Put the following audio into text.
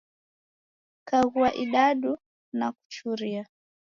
Kaghua idadu nakuchuria